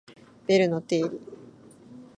ベルの定理